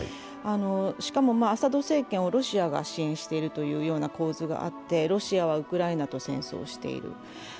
しかもアサド政権をロシアが支援しているという構図があって、ロシアはウクライナと戦争している。